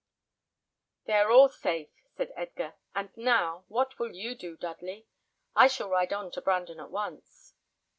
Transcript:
"They are all safe," said Edgar. "And now, what will you do, Dudley? I shall ride on to Brandon at once."